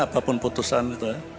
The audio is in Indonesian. apapun putusan itu ya